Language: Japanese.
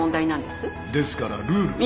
ですからルールを。